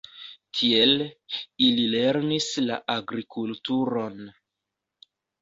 Tiel, ili lernis la agrikulturon.